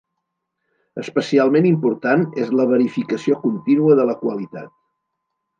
Especialment important és la verificació contínua de la qualitat.